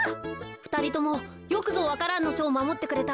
ふたりともよくぞ「わか蘭のしょ」をまもってくれた。